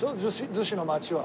逗子の街は。